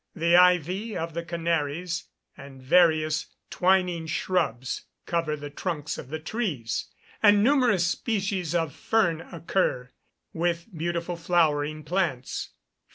The ivy of the Canaries and various twining shrubs cover the trunks of the trees, and numerous species of fern occur, with beautiful flowering plants.